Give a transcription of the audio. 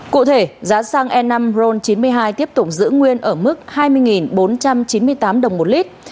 cụ thể giá xăng e năm ron chín mươi hai tiếp tục giữ nguyên ở mức hai mươi bốn trăm chín mươi tám đồng một lít